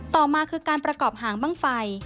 ต่อมาคือการประกอบหางบ้างไฟ